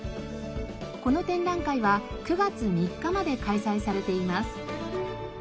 この展覧会は９月３日まで開催されています。